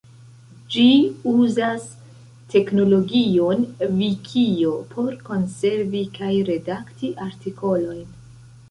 Ĝi uzas teknologion vikio por konservi kaj redakti artikolojn.